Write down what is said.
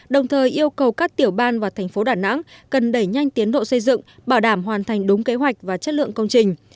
đồng thời yêu cầu các tiểu ban và thành phố đà nẵng cần đẩy nhanh tiến độ xây dựng bảo đảm hoàn thành đúng kế hoạch và chất lượng công trình